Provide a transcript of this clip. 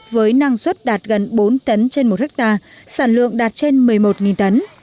với năng suất đạt gần bốn tấn trên một hectare sản lượng đạt trên một mươi một tấn